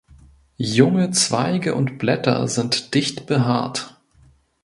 Junge Zweige und Blätter sind dicht behaart.